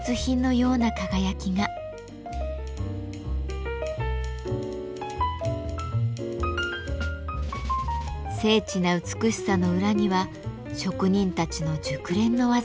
精緻な美しさの裏には職人たちの熟練の技がありました。